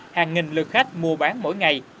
hàng nghìn lượt khách mua bán mỗi ngày